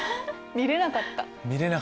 見れなかった。